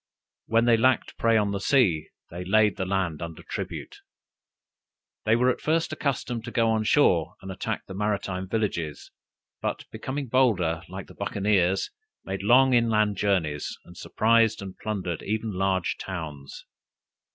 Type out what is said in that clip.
When they lacked prey on the sea, they laid the land under tribute. They were at first accustomed to go on shore and attack the maritime villages, but becoming bolder, like the Buccaneers, made long inland journeys, and surprised and plundered even large towns.